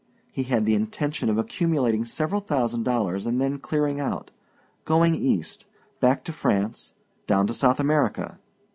He had the intention of accumulating several thousand dollars and then clearing out going east, back to France, down to South America.